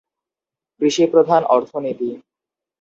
কৃষিপ্রধান অর্থনীতি।